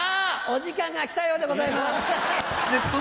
お時間が来たようでございます。